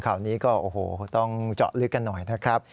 ข่าวนี้ก็โอ้โหต้องเจาะลึกกันหน่อยนะครับ